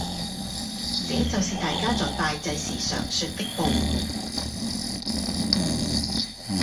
這就是大家在拜祭時常說旳報夢